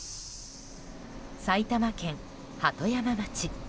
埼玉県鳩山町。